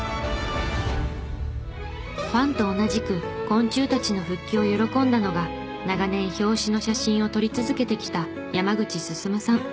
ファンと同じく昆虫たちの復帰を喜んだのが長年表紙の写真を撮り続けてきた山口進さん。